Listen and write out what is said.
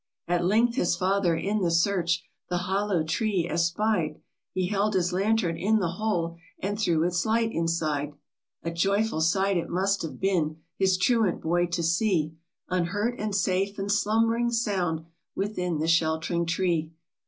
At length his father, in the search, The hollow tree espied ; He held his lantern to the hole, And threw its light inside. A joyful sight it must have been His truant boy to see, Unhurt and safe, and slumb'ring sound, Within the shelt'ring tree.